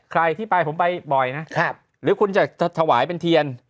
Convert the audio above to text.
ใครที่ไปผมไปบ่อยนะหรือคุณจะถวายเป็นเทียน